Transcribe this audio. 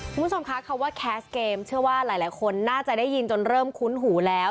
คุณผู้ชมคะคำว่าแคสเกมเชื่อว่าหลายคนน่าจะได้ยินจนเริ่มคุ้นหูแล้ว